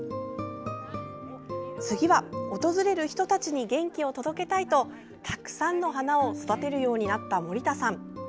次は、訪れる人たちに元気を届けたいとたくさんの花を育てるようになった森田さん。